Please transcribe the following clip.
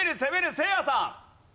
せいやさん。